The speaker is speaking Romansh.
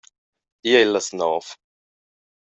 Igl ei las nov.